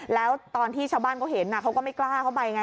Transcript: แล้วตอนที่ชาวบ้านเขาเห็นเขาก็ไม่กล้าเข้าไปไง